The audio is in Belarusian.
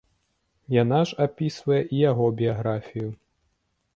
Яна ж апісвае і яго біяграфію.